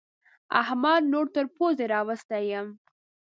احمد نور تر پوزې راوستی يم.